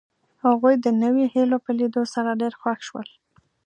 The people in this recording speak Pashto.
هغوی د نویو هیلو په لیدو سره ډېر خوښ شول